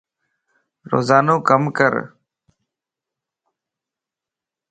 روزانو ڪم ڪر